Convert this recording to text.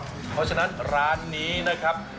เพราะฉะนั้นร้านนี้นะครับ